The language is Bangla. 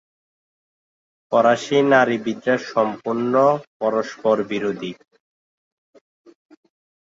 ফরাসি নারীবাদীরা সম্পূর্ণ পরস্পরবিরোধী।